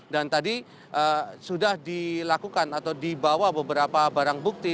dan tadi sudah dilakukan atau dibawa beberapa barang bukti